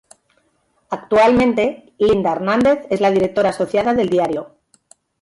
Actualmente, Linda Hernández es la directora asociada del diario.